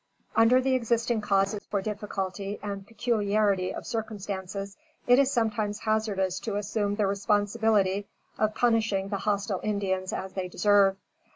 Under the existing causes for difficulty and peculiarity of circumstances, it is sometimes hazardous to assume the responsibility of punishing the hostile Indians as they deserve.